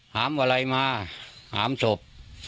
หามอะไรมาหามศพ